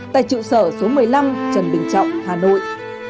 tại trụ sở số một mươi năm trần bình trọng hà nội